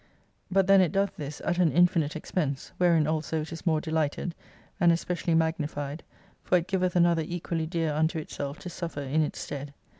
But then it doth this at an infinite expense, wherein also it is more delighted, and especially magnified, for it giveth Another equally dear unto itself to suffer in its stead.